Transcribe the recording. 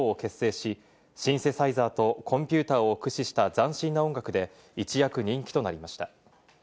通称・ＹＭＯを結成し、シンセサイザーとコンピューターを駆使した斬新な音楽で一躍人気となりました。